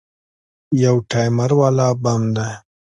يو ټايمر والا بم دى.